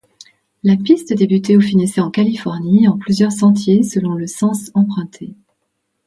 La piste débutait ou finissait en Californie en plusieurs sentiers, selon le sens emprunté.